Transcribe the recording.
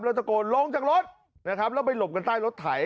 แล้วตะโกนลงจากรถนะครับแล้วไปหลบกันใต้รถไถ